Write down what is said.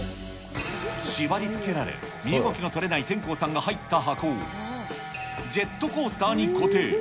縛りつけられ、身動きの取れない天功さんが入った箱を、ジェットコースターに固定。